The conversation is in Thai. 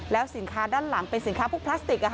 แล้วสินค้าด้านหลังเป็นสินค้าพวกพลาสติก